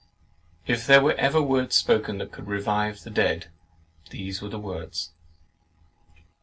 If there were ever words spoken that could revive the dead, those were the words.